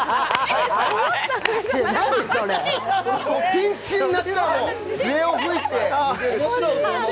ピンチになったら、笛を吹いて逃げる。